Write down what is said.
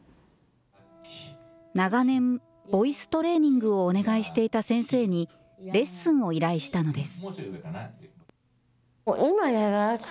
長年、ボイストレーニングをお願いしていた先生に、レッスンを依頼したのです。